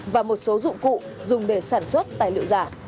và một số dụng cụ dùng để sản xuất tài liệu giả